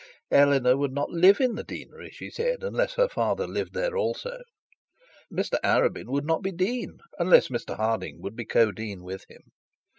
Eleanor would not live in the deanery, she said, unless her father lived there also. Mr Arabin would not be dean, unless Mr Harding would be co dean with him.